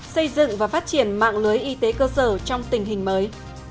xây dựng và phát triển mạng lưới y tế cơ sở trong tình hình mới